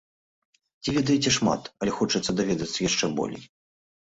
Ці ведаеце шмат, але хочацца даведацца яшчэ болей?